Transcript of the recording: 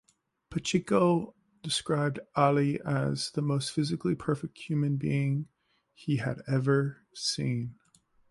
Pacheco described Ali as the most physically-perfect human being he had ever seen.